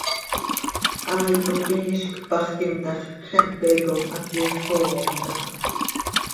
Hai cop iizc paxquim ta x, xepe com haquix soom caha.